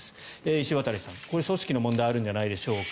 石渡さん、組織の問題があるんじゃないでしょうか。